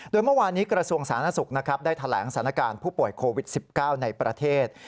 โดยเมื่อวานนี้กระทรวงสาธารณสุขนะครับได้แถลงสถานการณ์ผู้ป่วยโควิด๑๙ในประเทศ